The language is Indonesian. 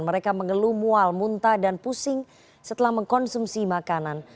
mereka mengeluh mual muntah dan pusing setelah mengkonsumsi makanan